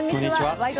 「ワイド！